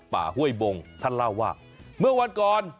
ท่านเล่าว่าเมื่อวัดก่อน